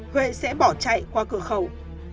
huệ sẽ bỏ chạy qua cửa khẩu